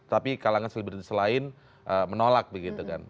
tapi kalangan selebritis lain menolak begitu kan